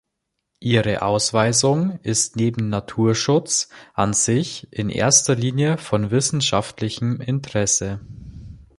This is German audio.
Ihre Ausweisung ist neben Naturschutz an sich in erster Linie von wissenschaftlichem Interesse.